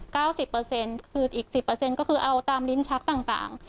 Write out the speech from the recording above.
คืออีก๑๐ก็คือเอาตามลิ้นชักต่าง